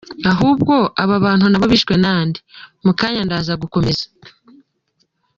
Ahubwo aba bantu na bo bishwe nande ? Mu kanya ndaza gukomeza…”.